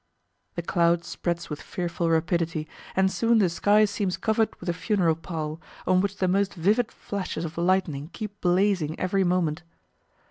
The cloud spreads with fearful rapidity, and soon the sky seems covered with a funeral pall, on which the most vivid flashes of lightning keep blazing every moment.